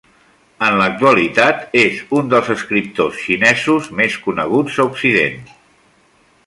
En l'actualitat és un dels escriptors xinès més coneguts a Occident.